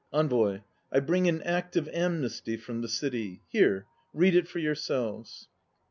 ENVOY. I bring an Act of Amnesty from the City. Here, read it for yourselves.